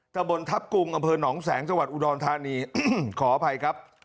ตะบนทัพกุงอำเภอหนองแสงจังหวัดอุดรธานีขออภัยครับ